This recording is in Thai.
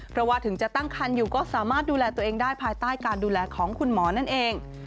เพราะว่าถึงจะตั้งคันอยู่ก็สามารถดูแลตัวเองได้ภายใต้การดูแลของคุณหมอนั่นเอง